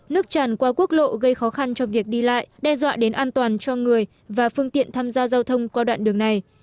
nước tràn qua quốc lộ gây khó khăn cho việc đi lại đe dọa đến an toàn cho người và phương tiện tham gia giao thông qua đoạn đường này